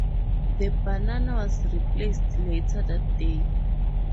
The banana was replaced later that day.